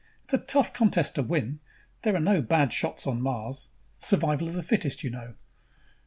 It's a tough contest to win. There are no bad shots on Mars survival of the fittest, you know."